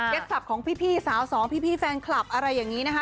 ศัพท์ของพี่สาวสองพี่แฟนคลับอะไรอย่างนี้นะคะ